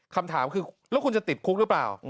คำถามคือแล้วคุณจะติดคุกหรือเปล่า